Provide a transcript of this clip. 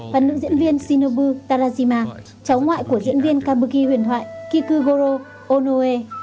và nữ diễn viên shinobu tarajima cháu ngoại của diễn viên kabuki huyền thoại kikugoro onoe